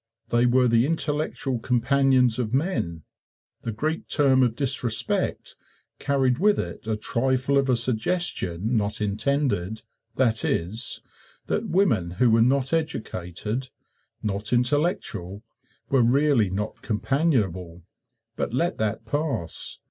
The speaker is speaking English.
They were the intellectual companions of men. The Greek term of disrespect carried with it a trifle of a suggestion not intended, that is, that women who were not educated not intellectual were really not companionable but let that pass.